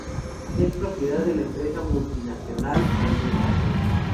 Es propiedad de la empresa multinacional Endesa.